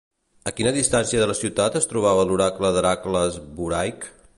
A quina distància de la ciutat es trobava l'oracle d'Hèracles Buraic?